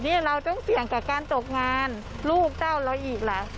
นี่เราต้องเสี่ยงกับการตกงานลูกเจ้าเราอีกเหรอ